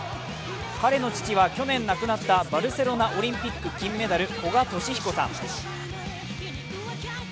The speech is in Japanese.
彼の父は去年亡くなったバルセロナオリンピック金メダル古賀稔彦さん。